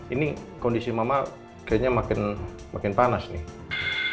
ini kondisi mama kayaknya makin panas nih